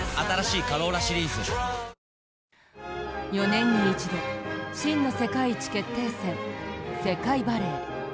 ４年に一度、真の世界一決定戦、世界バレー。